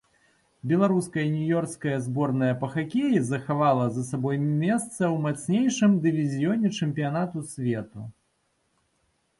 Беларуская юніёрская зборная па хакеі захавала за сабой месца ў мацнейшым дывізіёне чэмпіянату свету.